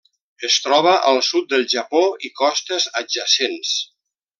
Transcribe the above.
Es troba al sud del Japó i costes adjacents.